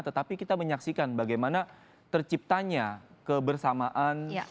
tetapi kita menyaksikan bagaimana terciptanya kebersamaan